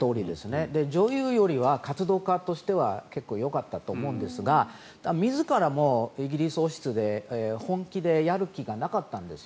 女優よりは活動家としては結構よかったと思うですが自らもイギリス王室で本気でやる気がなかったんです。